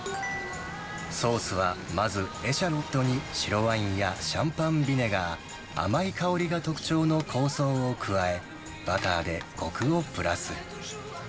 ソースはまずエシャロットに白ワインやシャンパンビネガー、甘い香りが特徴の香草を加え、バターでこくをプラス。